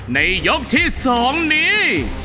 ในยกที่๒นี้